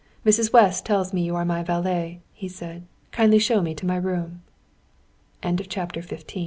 "Mrs. West tells me you are my valet," he said. "Kindly show me to my room." CHAPTER XVI "HE _MU